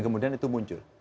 kemudian itu muncul